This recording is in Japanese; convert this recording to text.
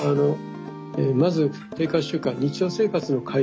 まず生活習慣日常生活の改善